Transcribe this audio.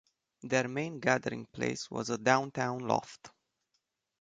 Their main gathering place was a downtown loft.